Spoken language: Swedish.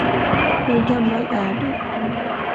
Hur gammal är du?